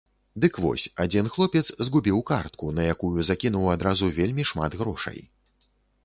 Дык вось, адзін хлопец згубіў картку, на якую закінуў адразу вельмі шмат грошай.